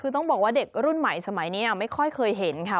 คือต้องบอกว่าเด็กรุ่นใหม่สมัยนี้ไม่ค่อยเคยเห็นค่ะ